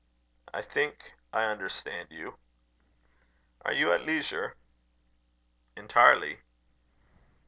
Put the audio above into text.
"I think I understand you." "Are you at leisure?" "Entirely."